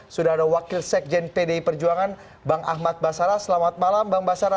sudah ada wakil sekjen pdi perjuangan bang ahmad basara selamat malam bang basara